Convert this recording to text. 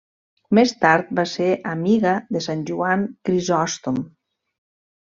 Més tard va ser amiga de Sant Joan Crisòstom.